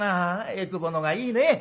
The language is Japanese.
えくぼのほうがいいね。